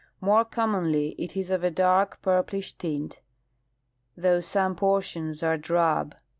More commonly it is of a dark purplish tint, though some portions are drab.